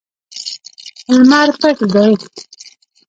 لمر پټ دی